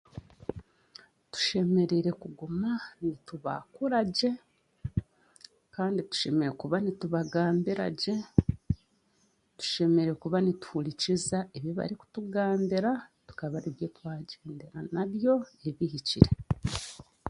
Tushemereire kuguma nitubaakura gye kandi tushemereire kuba nitubagambira gye, tushemereire kuba nituhurikiza ebi bari kutugambira tukabaribyo twagyenda n'abyo, ebihikire.